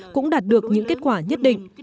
cũng đạt được những kết quả nhất định